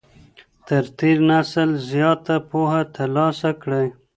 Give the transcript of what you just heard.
تر تېر نسل زياته پوهه ترلاسه کړئ.